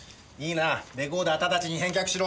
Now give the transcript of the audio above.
レコーダー直ちに返却しろ。